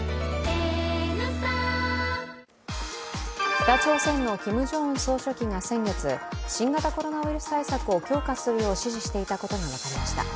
北朝鮮のキム・ジョンウン総書記が先月、新型コロナウイルス対策を強化するよう指示していたことが分かりました。